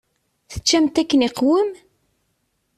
Teččamt akken iqwem?